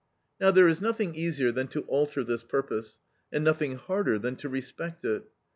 Now, there is nothing easier than to alter this purpose, and nothing harder than to respect it.